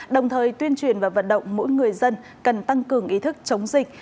đồng thời tuyên truyền và vận động mỗi người dân cần tăng cường ý thức chống dịch